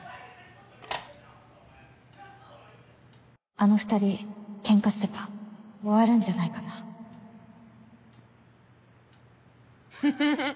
あの２人ケンカしてた終わるんじゃないかなフフフ！